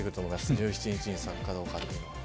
１７日に咲くかどうかというのは。